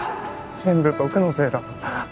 全部僕のせいだ